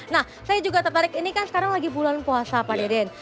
nah saya juga tertarik ini kan sekarang lagi bulan puasa pak deden